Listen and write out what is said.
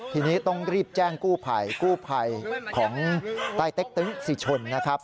ทีนี้ต้องรีบแจ้งกู้ภัยกู้ภัยของใต้เต็กตึ๊งสิชนนะครับ